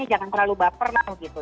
jangan terlalu baper lah gitu